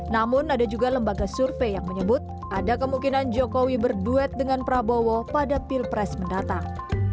namun ada juga lembaga survei yang menyebut ada kemungkinan jokowi berduet dengan prabowo pada pilpres mendatang